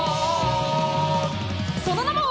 「その名も！」